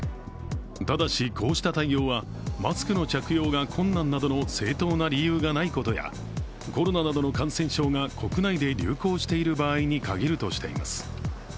ただし、こうした対応はマスクの着用が困難などの正当な理由がないことや、コロナなどの感染症が国内で流行している場合に限るとしています。